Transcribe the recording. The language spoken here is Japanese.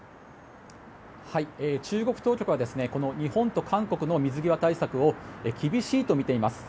中国当局は日本と韓国の水際対策を厳しいとみています。